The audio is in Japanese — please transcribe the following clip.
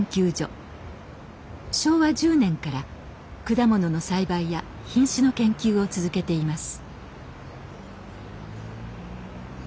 昭和１０年から果物の栽培や品種の研究を続けています。